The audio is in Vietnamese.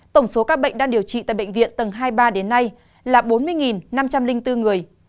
tổng số ca bệnh đang điều trị tại bệnh viện tầng hai mươi ba đến nay là bốn mươi năm trăm linh bốn người